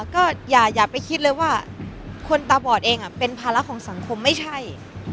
ก็อย่าไปคิดเลยว่าคนตาบอดเองเป็นภาระของสังคมไม่ใช่